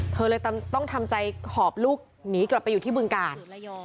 เธอเลยต้องทำใจหอบลูกหนีกลับไปอยู่ที่บึงกาล